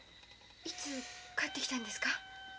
いつ帰ってきたんですか？